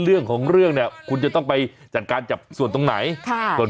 เรื่องของเรื่องเนี่ยคุณจะต้องไปจัดการจับส่วนตรงไหนส่วน